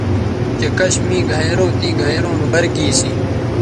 چہء کش می گھینئروں تیں گھینئروں نو بَر گی سی